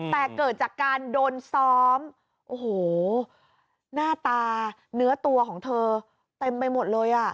แต่เกิดจากการโดนซ้อมโอ้โหหน้าตาเนื้อตัวของเธอเต็มไปหมดเลยอ่ะ